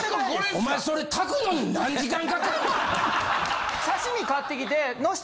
お前それ炊くのに何時間かかんねん？